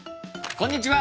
こんにちは！